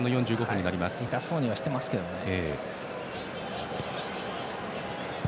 痛そうにはしてますけどね。